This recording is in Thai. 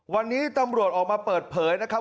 วันนี้ตำรวจออกมาเปิดเผยนะครับ